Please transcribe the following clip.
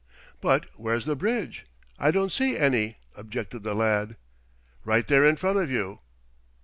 "But where's the bridge? I don't see any?" objected the lad. "Right there in front of you."